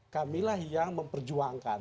kamilah yang memperjuangkan